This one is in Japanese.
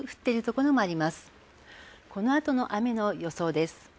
この後の雨の予想です。